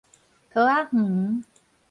桃仔園